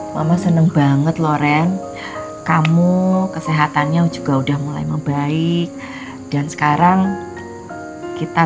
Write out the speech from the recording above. mama seneng banget loren kamu kesehatannya juga udah mulai membaik dan sekarang kita